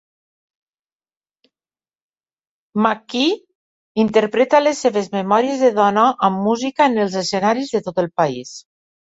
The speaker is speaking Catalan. McKee interpreta les seves memòries de dona amb música en els escenaris de tot el país.